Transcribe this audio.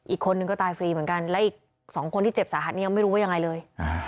อีกคนนึงก็ตายฟรีเหมือนกันและอีกสองคนที่เจ็บสาหัสนี้ยังไม่รู้ว่ายังไงเลย